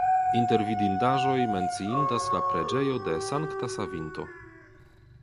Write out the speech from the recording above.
Inter vidindaĵoj menciindas la preĝejo de Sankta Savinto.